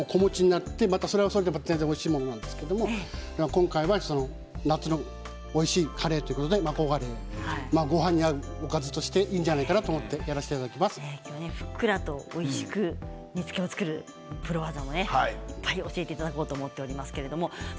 子持ちになってそれがまた、おいしいものなんですけど今回は夏のおいしいカレイということでマコガレイごはんに合うおかずとしていいんじゃないかなふっくらとおいしい煮付けを作る、プロ技をいっぱい教えていただこうと思っています。